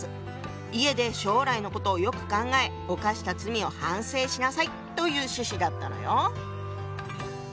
家で将来のことをよく考え犯した罪を反省しなさい！という趣旨だったのよ。